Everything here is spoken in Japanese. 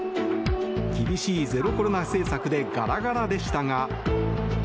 厳しいゼロコロナ政策でガラガラでしたが。